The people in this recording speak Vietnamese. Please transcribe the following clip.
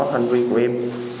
hành vi của em